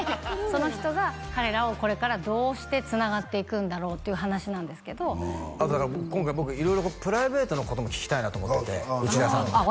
その人が彼らをこれからどうしてつながっていくんだろうという話なんですけど今回僕色々プライベートのことも聞きたいなと思っててああそやなあああっ